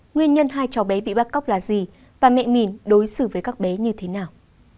nguyên nhân hai cháu bé bị bắt cóc là gì và mẹ mịn đối xử với các bé như thế nào